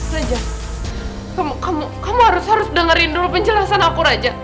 reja kamu kamu kamu harus harus dengerin penjelasan aku raja